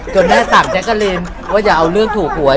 แม่สั่งแจ๊กกะลีนว่าอย่าเอาเรื่องถูกหวย